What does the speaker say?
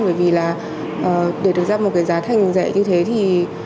bởi vì là để được ra một cái giá thành rẻ như thế thì